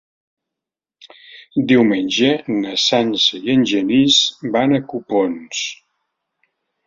Diumenge na Sança i en Genís van a Copons.